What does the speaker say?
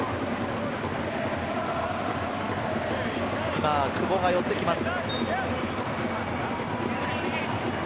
今、久保が寄ってきます。